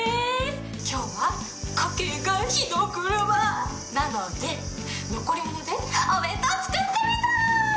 今日は家計が火の車なので残り物でお弁当作ってみた！